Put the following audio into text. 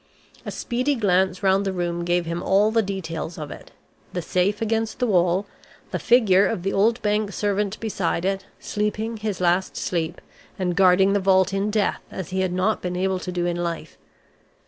A speedy glance round the room gave him all the details of it! The safe against the wall, the figure of the old bank servant beside it, sleeping his last sleep, and guarding the vault in death as he had not been able to do in life.